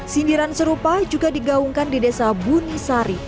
sindiran serupa juga digaungkan di desa bunisari